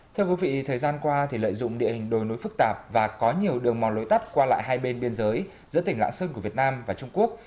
thưa quý vị thời gian qua lợi dụng địa hình đồi núi phức tạp và có nhiều đường mòn lối tắt qua lại hai bên biên giới giữa tỉnh lạng sơn của việt nam và trung quốc